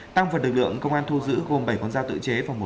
tăng vật lực lượng công an thu giữ gồm bảy con dao tự chế và một xe máy